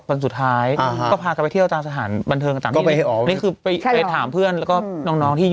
เขาออกมาเลยให้ความร่วมร่วมเมืองทันที